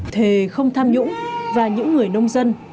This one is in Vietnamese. thề không tham nhũng và những người nông dân